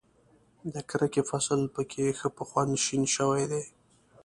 د کرکې فصل په کې ښه په خوند شین شوی دی.